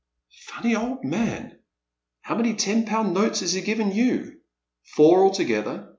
"" Funny old man ! How many ten pound notes has he given you?" " Four altogether.